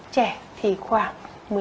trẻ thì khoảng